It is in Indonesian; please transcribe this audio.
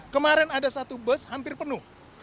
kemarin ada satu bus hampir penuh